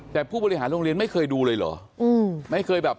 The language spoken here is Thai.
แต่ผู้บริหารโรงเรียนไม่เคยดูเลยเหรอ